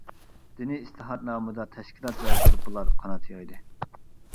دىنى ئىسلاھات نامىدا تەشكىلات ۋە گۇرۇپپىلار قانات يايدى.